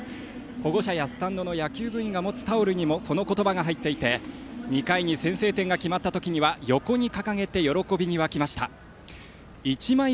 保護者やスタンドの野球部員が持つタオルにもその言葉が入っていて２回に先制点が入ったときには横に掲げて、喜びに沸きました。